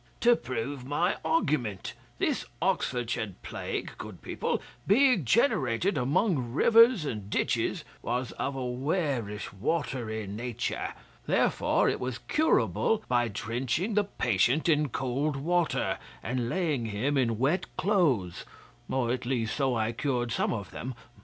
'To prove my argument. This Oxfordshire plague, good people, being generated among rivers and ditches, was of a werish, watery nature. Therefore it was curable by drenching the patient in cold water, and laying him in wet cloths; or at least, so I cured some of them.